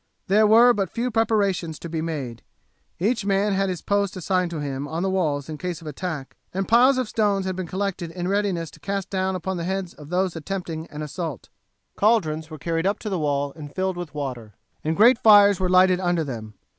There were but few preparations to be made. Each man had had his post assigned to him on the walls in case of an attack, and piles of stones had been collected in readiness to cast down upon the heads of those attempting an assault. Cauldrons were carried up to the walls and filled with water, and great fires were lighted under them.